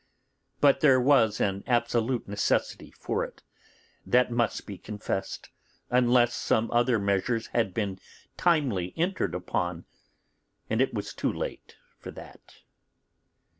But there was an absolute necessity for it, that must be confessed, unless some other measures had been timely entered upon, and it was too late for that.